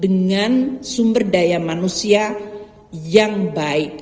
dengan sumber daya manusia yang baik